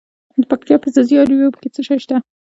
د پکتیا په ځاځي اریوب کې څه شی شته؟